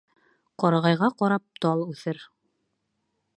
Ҡарағайға ҡарап тал үҫер.